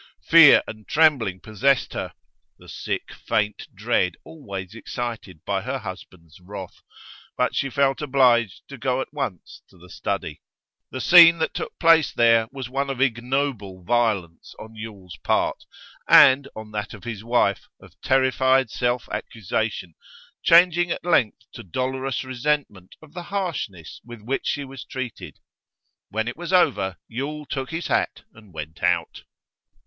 Fear and trembling possessed her the sick, faint dread always excited by her husband's wrath but she felt obliged to go at once to the study. The scene that took place there was one of ignoble violence on Yule's part, and, on that of his wife, of terrified self accusation, changing at length to dolorous resentment of the harshness with which she was treated. When it was over, Yule took his hat and went out.